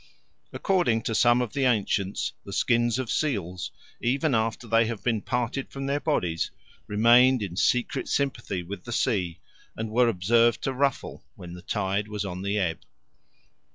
According to some of the ancients, the skins of seals, even after they had been parted from their bodies, remained in secret sympathy with the sea, and were observed to ruffle when the tide was on the ebb.